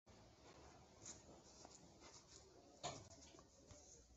ঐ মৌসুমের শীতকালে ইংল্যান্ড বি দলের সদস্যরূপে শ্রীলঙ্কা গমন করেন।